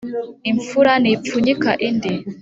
Imfura ntipfunyika indi